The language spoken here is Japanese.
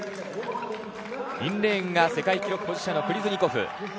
インレーンが世界記録保持者のクリズニコフ。